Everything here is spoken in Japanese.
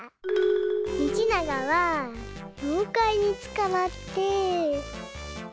みちながはようかいにつかまって。